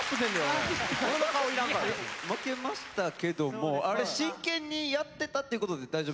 負けましたけどもあれ真剣にやってたっていうことで大丈夫ですか？